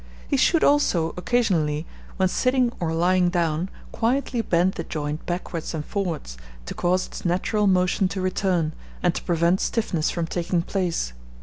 He should also occasionally, when sitting or lying down, quietly bend the joint backwards and forwards, to cause its natural motion to return, and to prevent stiffness from taking place.